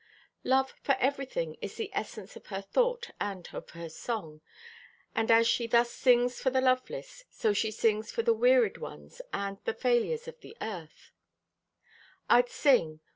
Love for everything is the essence of her thought and of her song. And as she thus sings for the loveless, so she sings for the wearied ones and the failures of the earth: I'd sing.